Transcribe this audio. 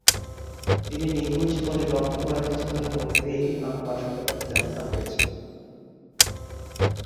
তিনি নিখোঁজ বলে লক্ষ্য করার কিছুক্ষণের মধ্যেই একটি অ্যাম্বার সতর্কতা জারি করা হয়েছিল।